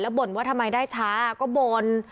บ่นว่าทำไมได้ช้าก็บ่น